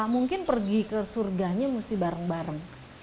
mungkin pergi ke surganya mesti bareng bareng